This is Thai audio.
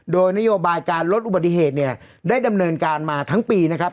โดยนโยบายการลดอุบัติเหตุเนี่ยได้ดำเนินการมาทั้งปีนะครับ